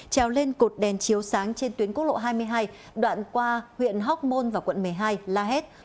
treo lên cột đèn chiếu sáng trên tuyến quốc lộ hai mươi hai đoạn qua huyện hóc môn và quận một mươi hai la hét